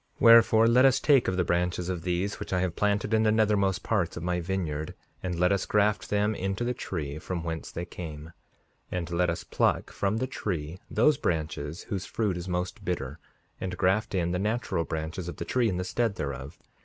5:52 Wherefore, let us take of the branches of these which I have planted in the nethermost parts of my vineyard, and let us graft them into the tree from whence they came; and let us pluck from the tree those branches whose fruit is most bitter, and graft in the natural branches of the tree in the stead thereof.